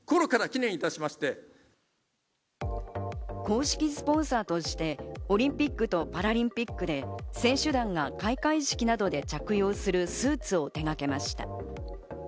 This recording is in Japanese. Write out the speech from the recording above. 公式スポンサーとしてオリンピックとパラリンピックで選手団が開会式などで着用するスーツを手がけました。